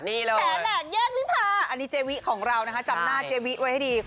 แฉแหลกแยกวิพาอันนี้เจวิของเรานะคะจำหน้าเจวิไว้ให้ดี